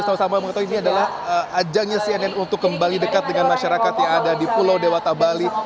dan saya juga ingin menjelaskan bahwa ini adalah ajangnya oleh cnn untuk kembali dekat dengan masyarakat di pulau dewata bali